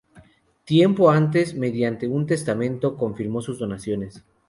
Tiempo antes, mediante un testamento, confirmó sus donaciones.